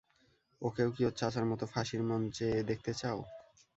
ওকেও কি ওর চাচার মতো ফাঁসির মঞ্চে দেখতে চাও?